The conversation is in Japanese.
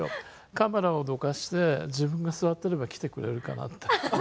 カメラをどかして自分が座ってれば来てくれるかなって。